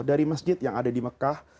dari masjid yang ada di mekah